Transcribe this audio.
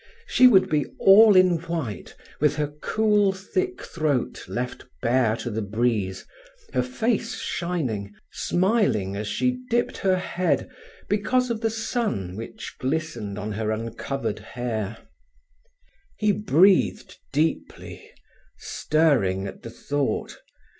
She would be all in white, with her cool, thick throat left bare to the breeze, her face shining, smiling as she dipped her head because of the sun, which glistened on her uncovered hair. He breathed deeply, stirring at the thought.